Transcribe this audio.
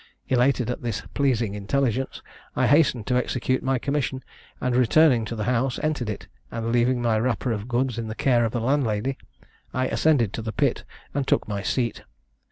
Elated at this pleasing intelligence, I hastened to execute my commission; and returning to the house, entered it, and, leaving my wrapper of goods in the care of the landlady, I ascended to the pit, and took my seat.